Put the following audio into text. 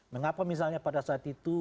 mengapa misalnya pada saat itu